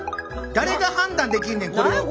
誰が判断できんねんこれを。